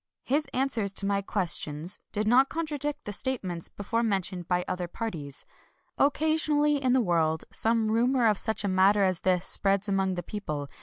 His an swers to my questions did not contradict the THE REBIRTH OF KATSUGORO 271 statements before mentioned made by other parties. Occasionally in the world some rumor of such a matter as this spreads among the peo ple.